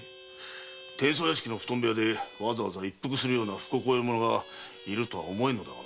伝奏屋敷の布団部屋でわざわざ一服するような不心得者がいるとは思えんが。